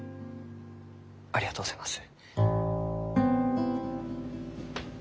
ありがとうございます。